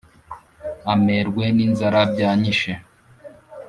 amerwe n’inzara byanyishe,